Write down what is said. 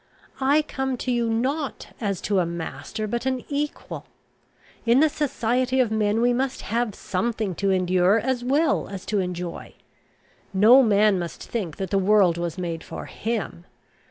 I come to you, not as to a master, but an equal. In the society of men we must have something to endure, as well as to enjoy. No man must think that the world was made for him.